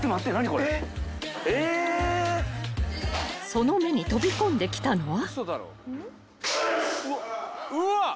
［その目に飛び込んできたのは］